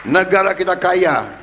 negara kita kaya